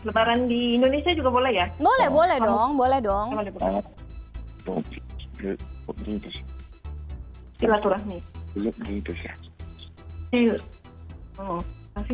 lebaran di indonesia juga boleh ya boleh boleh dong boleh dong boleh boleh boleh